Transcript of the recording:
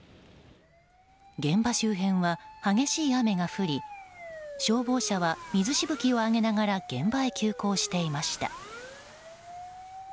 現場周辺は、激しい雨が降り消防車は水しぶきを上げながら現場に急行していました。